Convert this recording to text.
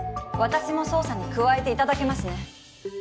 私も捜査に加えていただけますね？